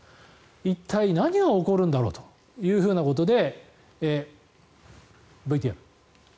一体、何が起こるんだろうということで、ＶＴＲ。